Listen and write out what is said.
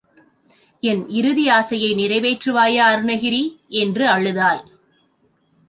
என் இறுதி ஆசையை நிறை வேற்றுவாயா அருணகிரி? என்று அழுதாள்.